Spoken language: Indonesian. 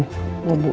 nih beri mata